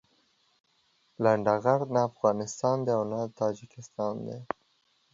لنډغر نه افغانستان دي او نه د تاجيکستان دي.